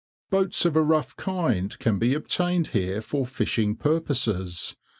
Boats of a rough kind can be obtained here for fishing purposes.